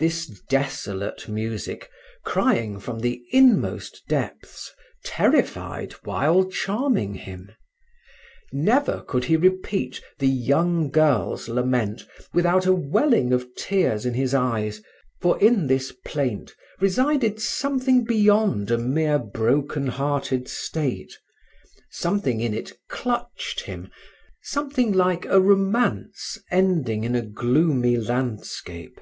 This desolate music, crying from the inmost depths, terrified while charming him. Never could he repeat the "Young Girl's Lament" without a welling of tears in his eyes, for in this plaint resided something beyond a mere broken hearted state; something in it clutched him, something like a romance ending in a gloomy landscape.